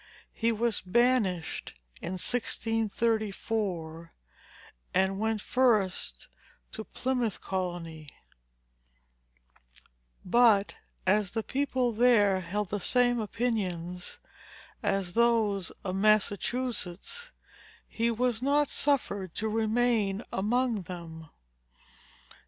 He was banished in 1634, and went first to Plymouth colony; but as the people there held the same opinions as those of Massachusetts, he was not suffered to remain among them.